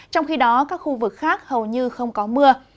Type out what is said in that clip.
trong khi đó các khu vực khác hầu như không có mưa